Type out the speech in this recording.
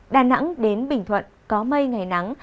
đà nẵng đến bình thuận có mây ngày nắng